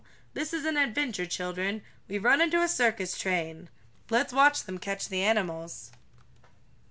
This is an adventure, children. We've run into a circus train! Let's watch them catch the animals."